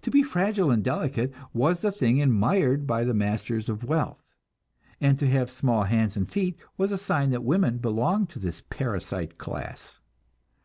To be fragile and delicate was the thing admired by the masters of wealth, and to have small hands and feet was a sign that women belonged to this parasite class.